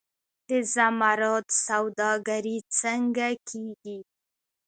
د زمرد سوداګري څنګه کیږي؟